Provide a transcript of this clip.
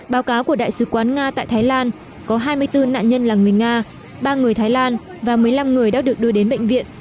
báo cáo của đại sứ quán nga tại thái lan có hai mươi bốn nạn nhân là người nga ba người thái lan và một mươi năm người đã được đưa đến bệnh viện